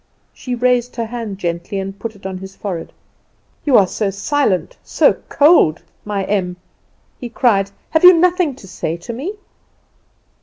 She raised her hand gently and put it on his forehead. "You are so silent, so cold, my Em," he cried. "Have you nothing to say to me?"